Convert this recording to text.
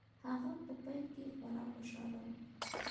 هغه په پیل کې خورا خوشحاله و